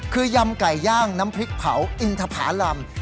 คือยำไก่ย่างน้ำพริกเผาอินทภารำ